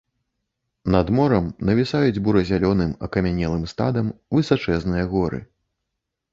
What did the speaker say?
Над морам навісаюць бура-зялёным акамянелым стадам высачэзныя горы.